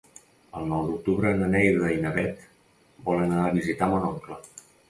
El nou d'octubre na Neida i na Bet volen anar a visitar mon oncle.